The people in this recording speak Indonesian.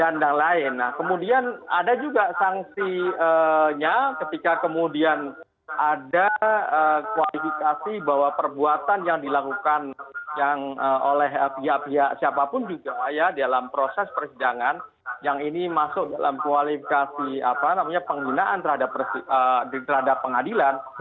nah kemudian ada juga sangsinya ketika kemudian ada kualifikasi bahwa perbuatan yang dilakukan oleh pihak pihak siapapun juga ya dalam proses persidangan yang ini masuk dalam kualifikasi penggunaan terhadap pengadilan